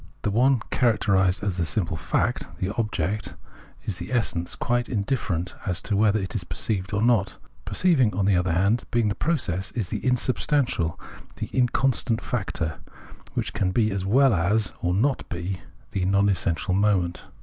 The one characterised as the simple fact, the object, is the essence, quite in different as to whether it is perceived or not : per ceiving, on the other hand, being the process, is the insubstantial, the inconstant factor, which can be as ■well as not be, is the non essential moment.